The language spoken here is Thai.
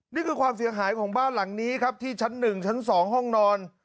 นี่คือความเสียหายของบ้านหลังนี้ครับที่ชั้น๑ชั้น๒ห้องนอน